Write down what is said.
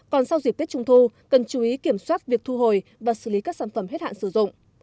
còn sau dịp tết trung thu cần chú ý kiểm soát việc thu hồi và xử lý các sản phẩm hết hạn sử dụng